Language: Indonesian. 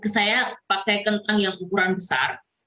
saya pakai kentang yang ukuran besar